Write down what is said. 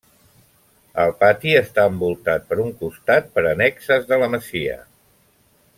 El pati està envoltat per un costat per annexes de masia.